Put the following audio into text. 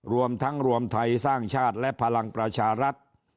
รวมทั้งรวมไทยสร้างชาติและพลังประชารัฐ